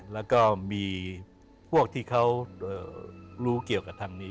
แล้วก็มีพวกที่เขารู้เกี่ยวกับทางนี้